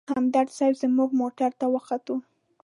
همدرد صیب زموږ موټر ته وختو.